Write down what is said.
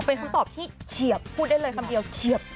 เป็นคำตอบที่เฉียบพูดได้เลยคำเดียวเฉียบ